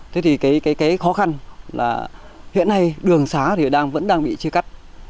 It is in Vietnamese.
thế thì cái khó khăn là hiện nay đường xá thì vẫn đang bị chia cắt